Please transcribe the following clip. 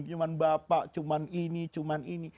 cuman bapak cuman ini cuman ini